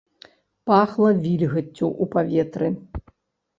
Пахла вільгаццю ў паветры.